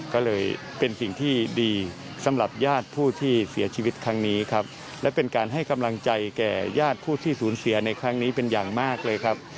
ก็เลยเป็นสิ่งที่ดีสำหรับญาติผู้ที่เสียชีวิตครั้งนี้ครับและเป็นการให้กำลังใจแก่ญาติผู้ที่สูญเสียในครั้งนี้เป็นอย่างมากเลยครับ